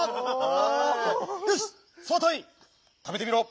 よしスワたいいんたべてみろ！